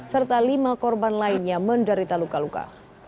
serta lima korban lainnya menderita luka luka